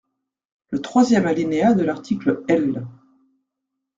Le troisième alinéa de l’article L.